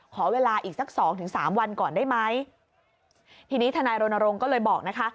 ขอเวลาอีกสักสองถึงสามวันก่อนได้ไหมทีนี้ทนายรณรงค์ก็เลยบอกนะคะ